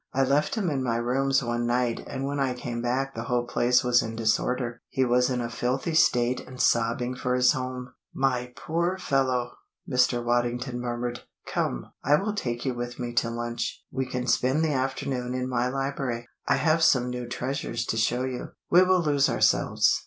I left him in my rooms one night and when I came back the whole place was in disorder. He was in a filthy state and sobbing for his home." "My poor fellow!" Mr. Waddington murmured. "Come, I will take you with me to lunch. We can spend the afternoon in my library. I have some new treasures to show you. We will lose ourselves.